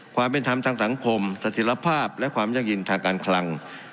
ความเป็นธรรมทางสังคมสถิตภาพและความยั่งยืนทางการคลัง